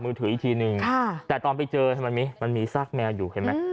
ถืออีกทีนึงแต่ตอนไปเจอทำไมมันมีซากแมวอยู่เห็นไหม